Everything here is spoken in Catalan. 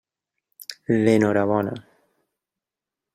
L'enhorabona.